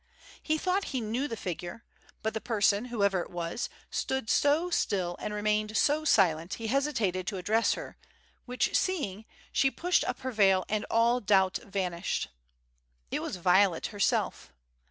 He thought he knew the figure, but the person, whoever it was, stood so still and remained so silent, he hesitated to address her; which seeing, she pushed up her veil and all doubt vanished. It was Violet herself.